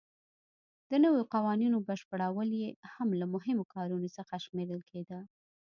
د نویو قوانینو بشپړول یې هم له مهمو کارونو څخه شمېرل کېده.